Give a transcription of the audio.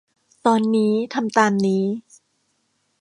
ตอนนี้ทำตามนี้